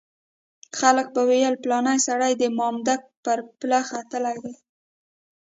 خلکو به ویل پلانی سړی د مامدک پر پله ختلی دی.